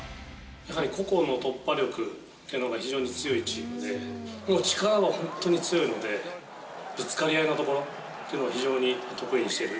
やはり個々の突破力っていうのが非常に強いチームで、力は本当に強いので、ぶつかり合いのところ、非常に得意にしてる。